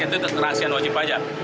itu rahasia wajib pajak